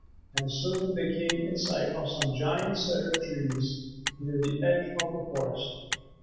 And soon they came in sight of some giant cedar trees near the edge of the forest.